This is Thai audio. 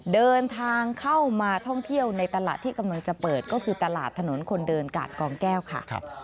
เดินทางเข้ามาท่องเที่ยวในตลาดที่กำลังจะเปิดก็คือตลาดถนนคนเดินกาดกองแก้วค่ะ